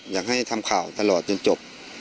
ให้ทำข่าวตลอดจนจบ